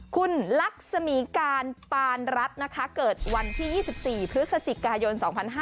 คุณลักษมีการปานรัฐนะคะเกิดวันที่๒๔พฤศจิกายน๒๕๕๙